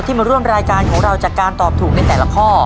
มาร่วมรายการของเราจากการตอบถูกในแต่ละข้อ